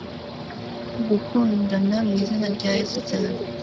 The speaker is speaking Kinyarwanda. gukundana mwizina ryayesu cyane